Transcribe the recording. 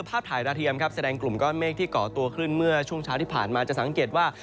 ถ่ายดาวเทียมครับแสดงกลุ่มก้อนเมฆที่เกาะตัวขึ้นเมื่อช่วงเช้าที่ผ่านมาจะสังเกตว่า